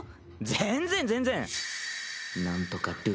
全然全然。